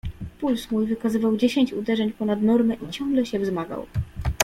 "Puls mój wykazywał dziesięć uderzeń ponad normę i ciągle się wzmagał."